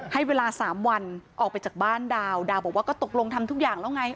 ให้เวลา๓วันออกไปจากบ้านดาวดาวบอกว่าก็ตกลงทำทุกอย่างแล้วไง